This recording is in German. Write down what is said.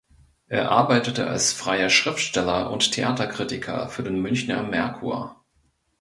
Er arbeitete als freier Schriftsteller und Theaterkritiker für den Münchner Merkur.